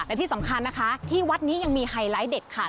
และที่สำคัญนะคะที่วัดนี้ยังมีไฮไลท์เด็ดค่ะ